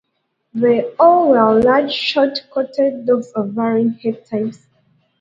They all were large, short coated dogs of varying head-types.